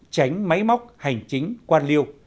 tránh máy móc hành chính quan liêu